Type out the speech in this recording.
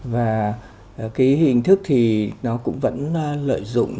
và cái hình thức thì nó cũng vẫn lợi dụng những cái